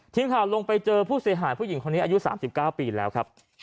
ทีมข่าวลงไปเจอผู้เสียหายผู้หญิงคนนี้อายุ๓๙ปีแล้วครับ